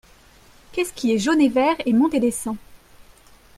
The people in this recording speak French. Qu'est-ce qui est jaune et vert et monte et descend?